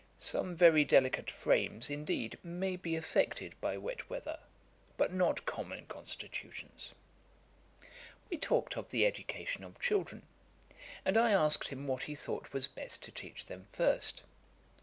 Some very delicate frames, indeed, may be affected by wet weather; but not common constitutions.' We talked of the education of children; and I asked him what he thought was best to teach them first.